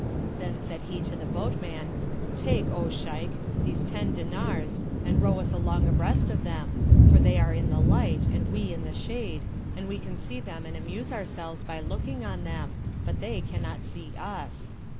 Then said he to the boatman, "Take, O Shaykh' these ten dinars and row us along abreast of them, for they are in the light and we in the shade, and we can see them and amuse ourselves by looking on them, but they cannot see us."